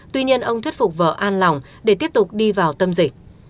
tuy nhiên ông thuyết phục vợ an lòng để tiếp tục đi vào tâm dịch